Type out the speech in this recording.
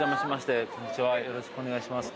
よろしくお願いします。